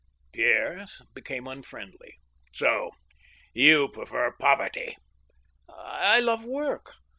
Pierre became unfriendly. " So you prefer poverty ?"" I love work.